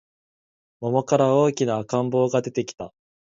桃から大きな赤ん坊が出てきた